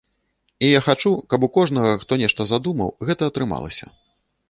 І я хачу, каб у кожнага, хто нешта задумаў, гэта атрымалася.